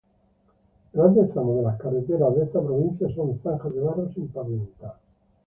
Grandes tramos de las carreteras de esta provincia son zanjas de barro sin pavimentar.